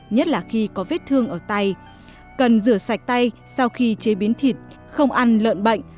nhất là khi có vết thương ở tay cần rửa sạch tay sau khi chế biến thịt không ăn lợn bệnh